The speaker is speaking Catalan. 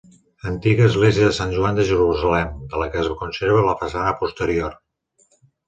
Antiga església de Sant Joan de Jerusalem, de la que es conserva la façana posterior.